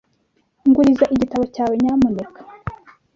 Nguriza igitabo cyawe, nyamuneka.